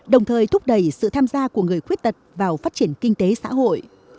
đồng thời thúc đẩy sự tham gia của người khuyết tật vào phát triển kinh tế xã hội